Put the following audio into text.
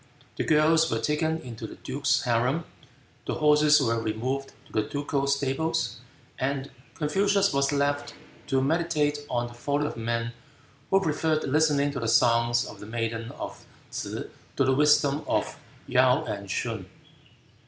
The girls were taken into the duke's harem, the horses were removed to the ducal stables, and Confucius was left to meditate on the folly of men who preferred listening to the songs of the maidens of T'se to the wisdom of Yaou and Shun.